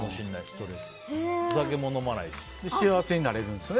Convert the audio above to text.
それで幸せになれるんですね。